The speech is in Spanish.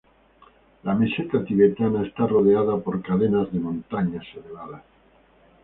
La meseta tibetana está rodeada por cadenas de montañas elevadas.